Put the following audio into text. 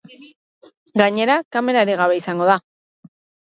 Gainera, kamerarik gabe izango da.